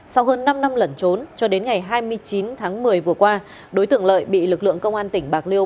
sau hơn năm năm lẩn trốn cho đến ngày hai mươi chín tháng một mươi vừa qua đối tượng lợi bị lực lượng công an tỉnh bạc liêu